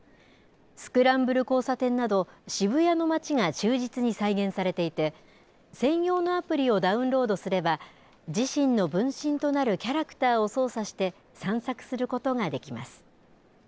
スクランブル交差点など、渋谷の街が忠実に再現されていて、専用のアプリをダウンロードすれば、自身の分身となるキャラクターを操作して、散策することができます。